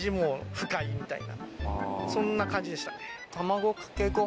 そんな感じでしたね。